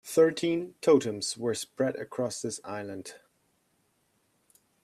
Thirteen totems were spread across this island.